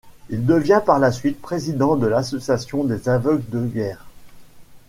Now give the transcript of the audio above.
Il devient par la suite président de l'association des Aveugles de guerre.